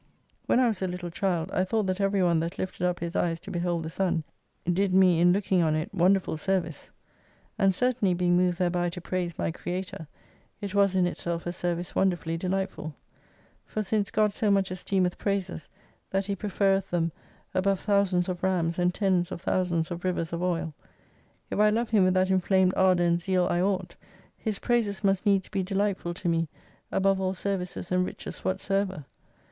When I was a little child, I thought that everyone that lifted up his eyes to behold the sun, did me in look ing on it, wonderful service. And certainly being moved thereby to praise my Creator, it was in itself a service wonderfully delightful. For since God so much esteemeth praises, that He preferreth them above 223 thousands of rams and tens of thousands of rivers of oil : if I love Him with that inflamed ardour and zeal I ought His praises must needs be delightful to me above all services and riches ■whatsoever.